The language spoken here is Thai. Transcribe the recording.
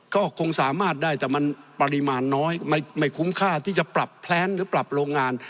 ก็คงสามารถได้แต่มันปริมาณน้อยไม่คุ้มค่าที่จะปรับแพลนหรือปรับโรงงาน